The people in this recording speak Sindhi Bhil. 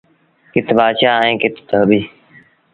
ڪٿ بآتشآه ائيٚݩ ڪٿ ڌوٻيٚ۔